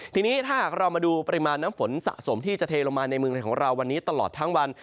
ทีนี้ถ้าหากเรามาดูปริมาณน้ำฝนสะสมที่จะเทลงมาในเมืองไทยของเราวันนี้ตลอดทั้งวัน